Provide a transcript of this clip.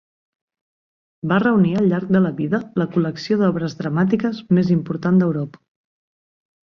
Va reunir al llarg de la vida la col·lecció d'obres dramàtiques més important d'Europa.